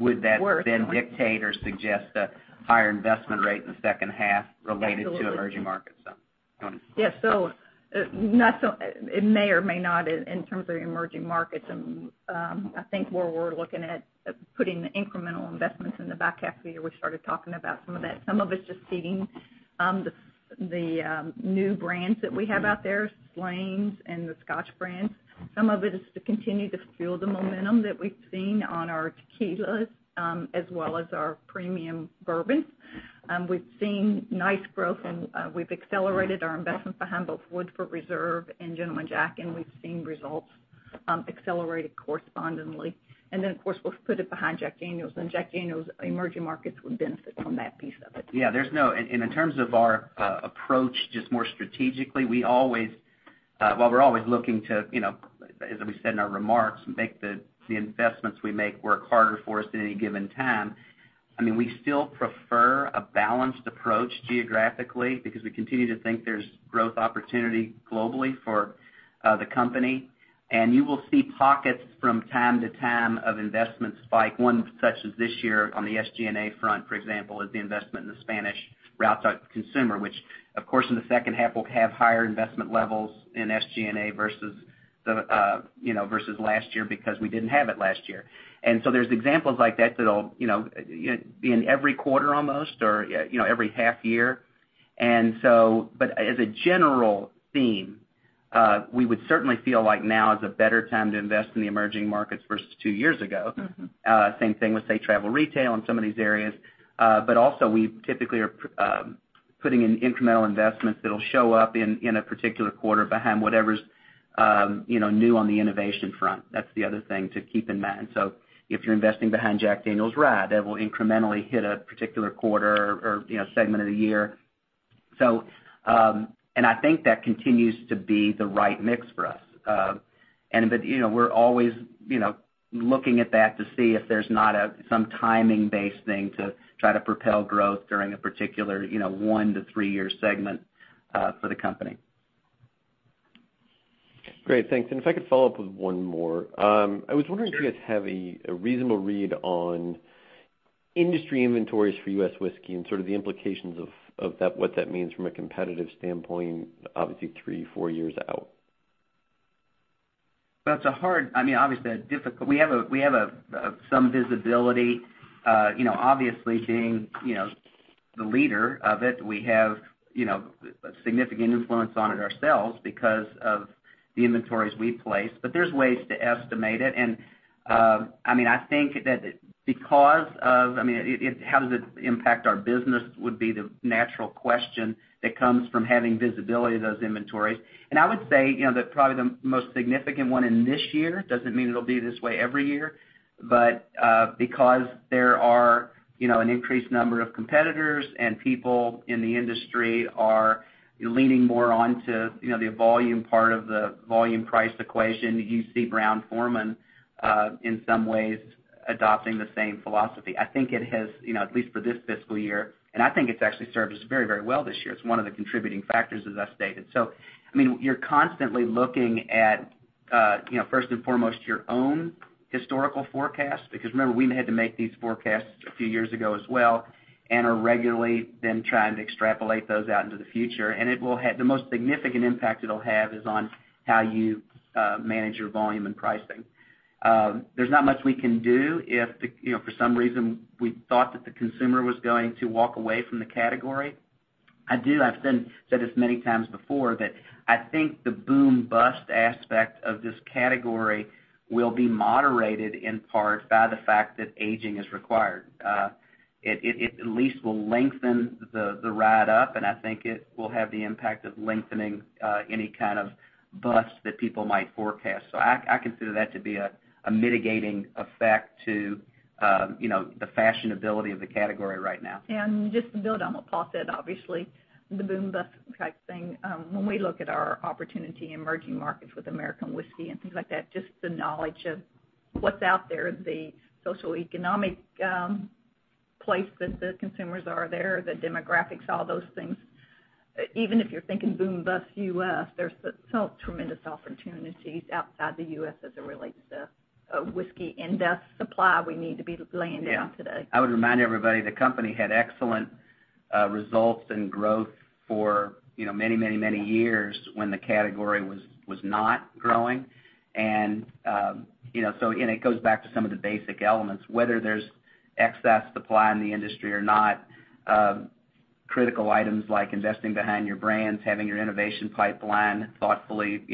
would that then dictate or suggest a higher investment rate in the second half related to emerging markets? Yes. It may or may not in terms of emerging markets. I think where we're looking at putting the incremental investments in the back half of the year, we started talking about some of that. Some of it's just seeding the new brands that we have out there, Slane's and the Scotch brands. Some of it is to continue to fuel the momentum that we've seen on our tequilas, as well as our premium bourbon. We've seen nice growth and we've accelerated our investments behind both Woodford Reserve and Gentleman Jack, we've seen results accelerated correspondingly. Of course, we've put it behind Jack Daniel's, Jack Daniel's emerging markets would benefit from that piece of it. Yeah. In terms of our approach, just more strategically, while we're always looking to, as we said in our remarks, make the investments we make work harder for us at any given time, we still prefer a balanced approach geographically because we continue to think there's growth opportunity globally for the company. You will see pockets from time to time of investment spike. One such as this year on the SG&A front, for example, is the investment in the Spanish routes consumer, which of course in the second half will have higher investment levels in SG&A versus last year because we didn't have it last year. There's examples like that that'll be in every quarter almost, or every half year. As a general theme, we would certainly feel like now is a better time to invest in the emerging markets versus two years ago. Same thing with, say, travel retail and some of these areas. Also we typically are putting in incremental investments that'll show up in a particular quarter behind whatever's new on the innovation front. That's the other thing to keep in mind. If you're investing behind Jack Daniel's RTD, that will incrementally hit a particular quarter or segment of the year. I think that continues to be the right mix for us. We're always looking at that to see if there's not some timing-based thing to try to propel growth during a particular one to three-year segment for the company. Great, thanks. If I could follow up with one more. I was wondering if you guys have a reasonable read on industry inventories for U.S. whiskey and sort of the implications of what that means from a competitive standpoint, obviously three, four years out. We have some visibility. Obviously being the leader of it, we have a significant influence on it ourselves because of the inventories we place. There's ways to estimate it. I think that because of how does it impact our business would be the natural question that comes from having visibility of those inventories. I would say that probably the most significant one in this year, doesn't mean it'll be this way every year, but because there are an increased number of competitors and people in the industry are leaning more onto the volume part of the volume price equation, you see Brown-Forman in some ways adopting the same philosophy. I think it has, at least for this fiscal year, and I think it's actually served us very well this year. It's one of the contributing factors, as I stated. You're constantly looking at First and foremost, your own historical forecast, because remember, we had to make these forecasts a few years ago as well and are regularly then trying to extrapolate those out into the future. The most significant impact it'll have is on how you manage your volume and pricing. There's not much we can do if for some reason we thought that the consumer was going to walk away from the category. I do, I've said this many times before, that I think the boom bust aspect of this category will be moderated in part by the fact that aging is required. It at least will lengthen the ride up, and I think it will have the impact of lengthening any kind of bust that people might forecast. I consider that to be a mitigating effect to the fashionability of the category right now. Just to build on what Paul said, obviously, the boom bust type thing, when we look at our opportunity in emerging markets with American whiskey and things like that, just the knowledge of what's out there, the socioeconomic place that the consumers are there, the demographics, all those things. Even if you're thinking boom bust U.S., there's tremendous opportunities outside the U.S. as it relates to whiskey and thus supply we need to be laying down today. Yeah. I would remind everybody the company had excellent results and growth for many years when the category was not growing. It goes back to some of the basic elements, whether there's excess supply in the industry or not, critical items like investing behind your brands, having your innovation pipeline thoughtfully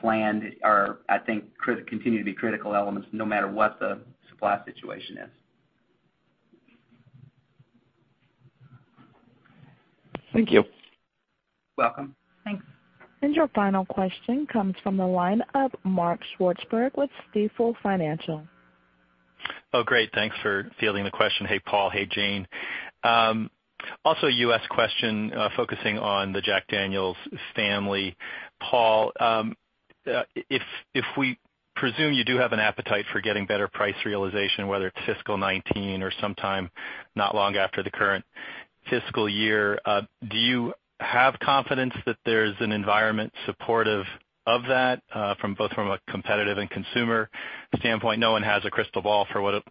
planned are, I think, continue to be critical elements no matter what the supply situation is. Thank you. Welcome. Thanks. Your final question comes from the line of Mark Swartzberg with Stifel Financial. Oh, great. Thanks for fielding the question. Hey, Paul. Hey, Jane. Also a U.S. question, focusing on the Jack Daniel's family. Paul, if we presume you do have an appetite for getting better price realization, whether it's fiscal 2019 or sometime not long after the current fiscal year, do you have confidence that there's an environment supportive of that, both from a competitive and consumer standpoint? No one has a crystal ball for what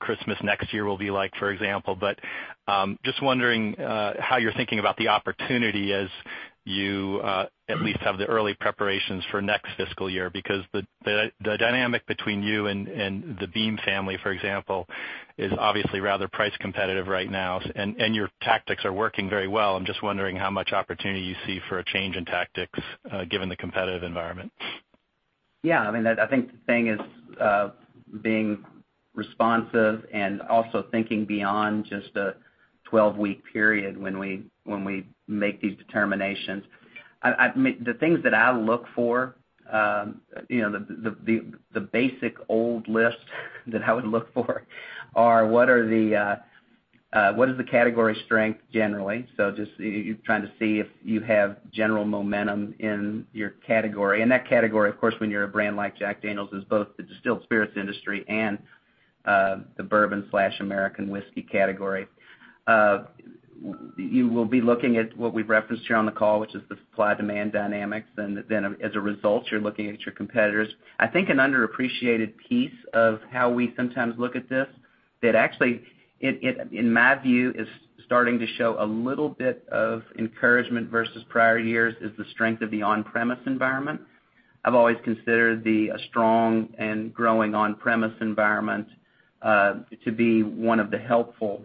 Christmas next year will be like, for example. Just wondering how you're thinking about the opportunity as you at least have the early preparations for next fiscal year, because the dynamic between you and the Beam family, for example, is obviously rather price competitive right now, and your tactics are working very well. I'm just wondering how much opportunity you see for a change in tactics, given the competitive environment. Yeah, I think the thing is being responsive and also thinking beyond just a 12-week period when we make these determinations. The things that I look for, the basic old list that I would look for are what is the category strength generally? Just, you're trying to see if you have general momentum in your category. That category, of course, when you're a brand like Jack Daniel's, is both the distilled spirits industry and the bourbon/American whiskey category. You will be looking at what we've referenced here on the call, which is the supply demand dynamics, then as a result, you're looking at your competitors. I think an underappreciated piece of how we sometimes look at this, that actually, in my view, is starting to show a little bit of encouragement versus prior years, is the strength of the on-premise environment. I've always considered the strong and growing on-premise environment to be one of the helpful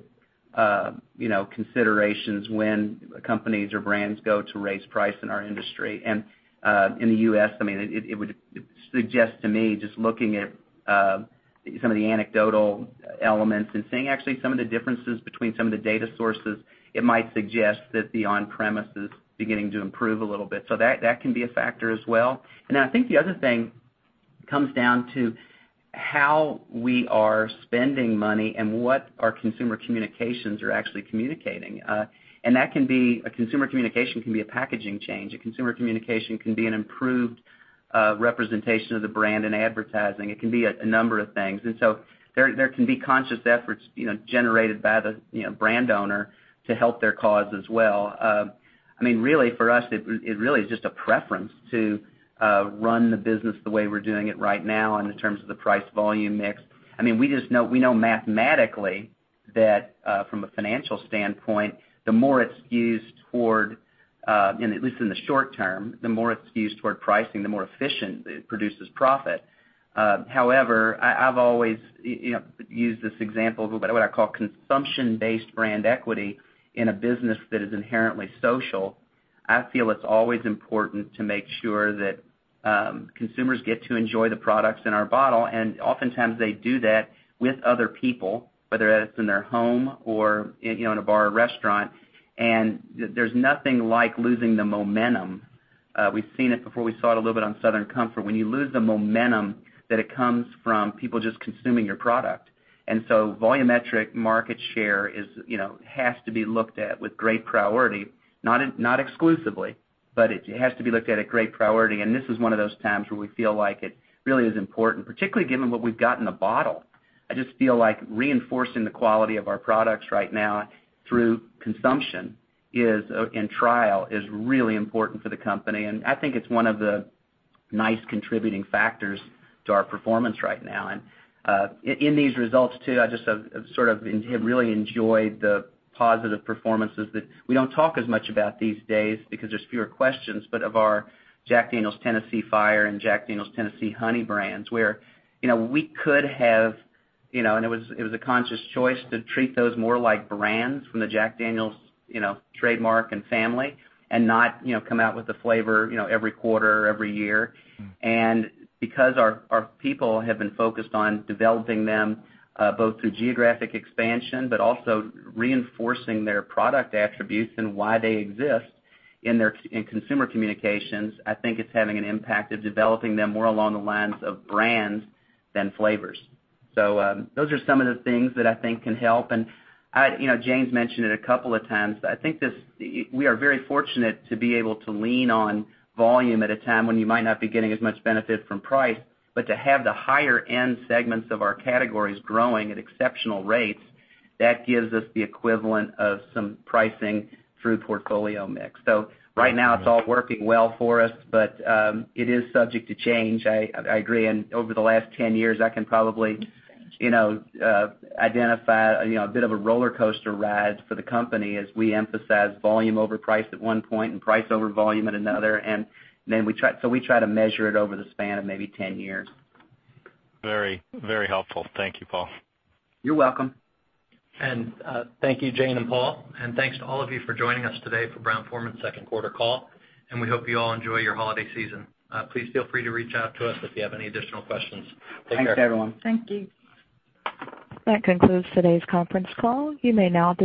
considerations when companies or brands go to raise price in our industry. In the U.S., it would suggest to me, just looking at some of the anecdotal elements and seeing actually some of the differences between some of the data sources, it might suggest that the on-premise is beginning to improve a little bit. That can be a factor as well. I think the other thing comes down to how we are spending money and what our consumer communications are actually communicating. A consumer communication can be a packaging change. A consumer communication can be an improved representation of the brand in advertising. It can be a number of things. So there can be conscious efforts generated by the brand owner to help their cause as well. For us, it really is just a preference to run the business the way we're doing it right now in the terms of the price volume mix. We know mathematically that from a financial standpoint, the more it skews toward, at least in the short term, the more it skews toward pricing, the more efficient it produces profit. However, I've always used this example of what I call consumption-based brand equity in a business that is inherently social. I feel it's always important to make sure that consumers get to enjoy the products in our bottle, and oftentimes they do that with other people, whether that's in their home or in a bar or restaurant. There's nothing like losing the momentum. We've seen it before. We saw it a little bit on Southern Comfort. When you lose the momentum that it comes from people just consuming your product. Volumetric market share has to be looked at with great priority. Not exclusively, but it has to be looked at a great priority, this is one of those times where we feel like it really is important, particularly given what we've got in the bottle. I just feel like reinforcing the quality of our products right now through consumption and trial is really important for the company, I think it's one of the nice contributing factors to our performance right now. In these results too, I just have sort of really enjoyed the positive performances that we don't talk as much about these days because there's fewer questions, but of our Jack Daniel's Tennessee Fire and Jack Daniel's Tennessee Honey brands, where we could have, and it was a conscious choice to treat those more like brands from the Jack Daniel's trademark and family and not come out with a flavor every quarter or every year. Because our people have been focused on developing them, both through geographic expansion, but also reinforcing their product attributes and why they exist in consumer communications, I think it's having an impact of developing them more along the lines of brands than flavors. Those are some of the things that I think can help. Jane mentioned it a couple of times, I think we are very fortunate to be able to lean on volume at a time when you might not be getting as much benefit from price, but to have the higher-end segments of our categories growing at exceptional rates, that gives us the equivalent of some pricing through portfolio mix. Right now, it's all working well for us, but it is subject to change, I agree. Over the last 10 years, I can probably identify a bit of a rollercoaster ride for the company as we emphasize volume over price at one point and price over volume at another. We try to measure it over the span of maybe 10 years. Very helpful. Thank you, Paul. You're welcome. Thank you, Jane and Paul, thanks to all of you for joining us today for Brown-Forman's second quarter call. We hope you all enjoy your holiday season. Please feel free to reach out to us if you have any additional questions. Take care. Thanks, everyone. Thank you. That concludes today's conference call. You may now disconnect.